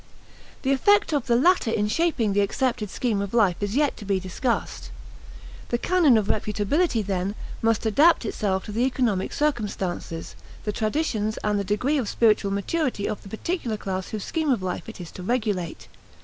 The effect of the latter in shaping the accepted scheme of life is yet to be discussed. The canon of reputability, then, must adapt itself to the economic circumstances, the traditions, and the degree of spiritual maturity of the particular class whose scheme of life it is to regulate.